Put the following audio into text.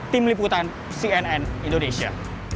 tim liputan cnn indonesia